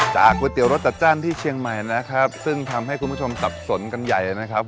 ก๋วยเตี๋ยรสจัดจ้านที่เชียงใหม่นะครับซึ่งทำให้คุณผู้ชมสับสนกันใหญ่นะครับ